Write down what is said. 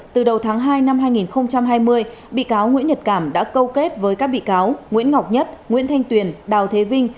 từ đầu tháng hai năm hai nghìn hai mươi bị cáo nguyễn nhật cảm đã câu kết với các bị cáo nguyễn ngọc nhất nguyễn thanh tuyền đào thế vinh